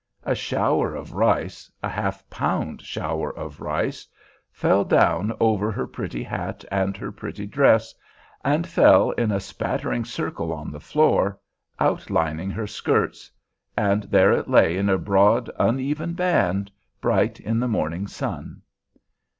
A shower of rice—a half pound shower of rice—fell down over her pretty hat and her pretty dress, and fell in a spattering circle on the floor, outlining her skirts—and there it lay in a broad, uneven band, bright in the morning sun.